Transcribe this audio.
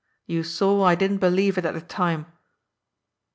You saw I didn't believe it at the time."